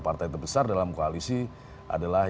partai terbesar dalam koalisi adalah